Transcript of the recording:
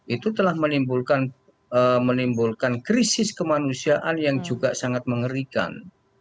itu telah menimbulkan krisis kemanusiaan yang juga sangat mengerikan